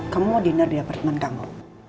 kamu mau diner di apartemen kamu